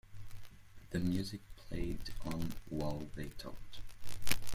The music played on while they talked.